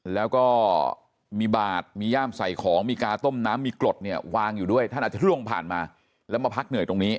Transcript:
แล้วก็มีบาดมีย่ามใส่ของมีกาต้มน้ำมีกรดเนี่ยวางอยู่ด้วยท่านอาจจะล่วงผ่านมาแล้วมาพักเหนื่อยตรงนี้